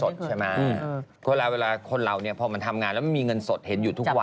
เจอจังหวะเขาก็ความโลกเขาอะไรอย่างงี้